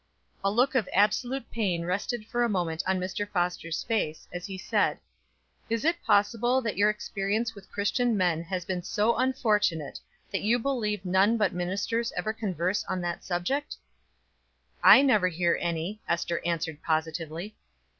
A look of absolute pain rested for a moment on Mr. Foster's face, as he said: "Is it possible that your experience with Christian men has been so unfortunate that you believe none but ministers ever converse on that subject?" "I never hear any," Ester answered positively.